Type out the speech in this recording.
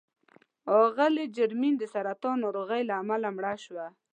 اغلې جرمین د سرطان ناروغۍ له امله مړه شوه.